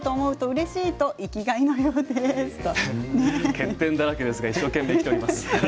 欠点だらけですが一生懸命生きております。